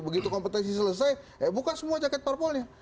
begitu kompetisi selesai ya buka semua jaket parpolnya